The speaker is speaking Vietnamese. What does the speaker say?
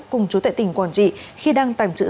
cùng chủ tệ tỉnh quản trị khi đang tàng trữ